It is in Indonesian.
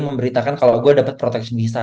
memberitakan kalau gue dapet protection visa